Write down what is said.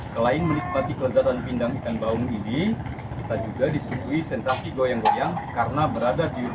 selain menikmati kelezatan pindang ikan baung ini kita juga disuguhi sensasi goyang goyang karena berada di rumah